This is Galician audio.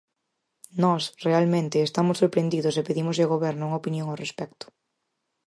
Nós, realmente, estamos sorprendidos e pedímoslle ao Goberno unha opinión ao respecto.